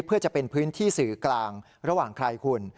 เพื่อจะเป็นพื้นที่สื่อกลางระหว่างใครคุณ